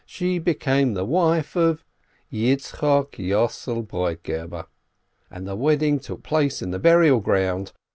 she became the wife of Yitzchok Yossel Broit geber! And the wedding took place in the burial ground.